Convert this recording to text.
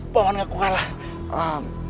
paman aku tidak kalah